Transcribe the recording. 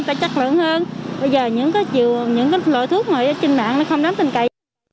tài chất lượng hơn bây giờ những loại thuốc mà trên mạng nó không đáng tinh cậy